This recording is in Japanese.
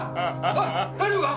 おい大丈夫か？